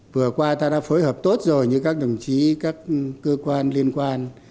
vừa qua ta đã phối hợp tốt rồi như các đồng chí các cơ quan liên quan